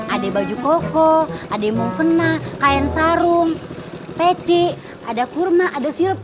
ada baju koko ada yang mumpuna kain sarung peci ada kurma ada sirup